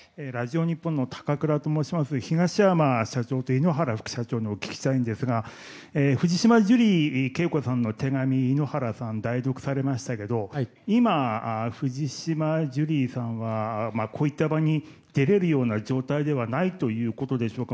東山社長と井ノ原副社長にお聞きしたいんですが藤島ジュリー景子さんの手紙井ノ原さんが代読されましたけど今、藤島ジュリーさんはこういった場に出れるような状態ではないということでしょうか。